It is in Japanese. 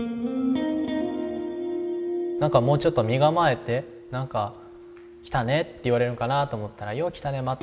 何かもうちょっと身構えて来たねって言われるんかなと思ったらよう来たね